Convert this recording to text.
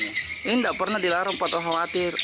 ini tidak pernah dilarang atau khawatir